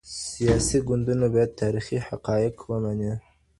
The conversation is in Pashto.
سیاسي ګوندونه باید تاریخي حقایق ومني.